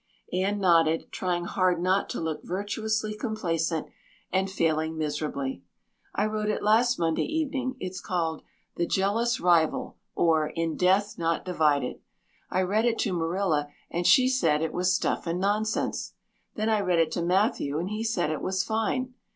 Anne nodded, trying hard not to look virtuously complacent and failing miserably. "I wrote it last Monday evening. It's called 'The Jealous Rival; or In Death Not Divided.' I read it to Marilla and she said it was stuff and nonsense. Then I read it to Matthew and he said it was fine.